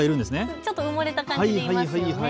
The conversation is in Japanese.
ちょっと埋もれた感じでいますよね。